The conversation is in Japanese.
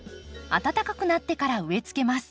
暖かくなってから植えつけます。